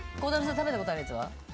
食べたことあるやつは？